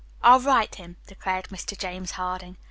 I'll write him," declared Mr. James Harding.